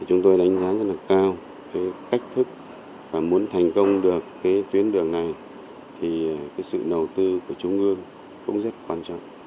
chúng tôi đánh giá rất cao cách thức và muốn thành công được tuyến đường này sự đầu tư của chúng tôi cũng rất quan trọng